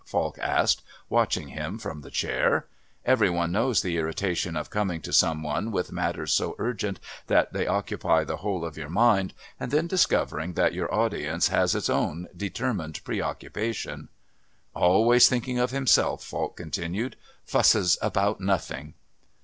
Falk asked, watching him from the chair. Every one knows the irritation of coming to some one with matters so urgent that they occupy the whole of your mind, and then discovering that your audience has its own determined preoccupation. "Always thinking of himself," Falk continued. "Fusses about nothing."